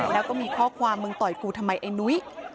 แล้วก็มีข้อความมึงต่อยกูทำไมไอ้นุ้ย